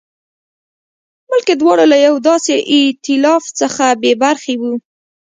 بلکې دواړه له یوه داسې اېتلاف څخه بې برخې وو.